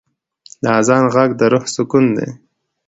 د آذان ږغ د روح سکون دی.